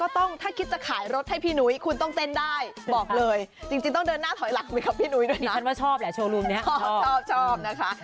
ถ้าคิดจะขายรถให้พี่หนุ๊ยคุณต้องเต้นได้บอกเลยจริงต้องเดินหน้าถอยหลังมาด้วยครับพี่หนุ๊ยด้วยน่ะ